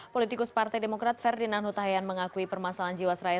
politikus partai demokrat ferdinand hutahian mengakui permasalahan jiwasraya